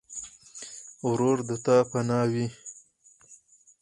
ورور د تا پناه وي.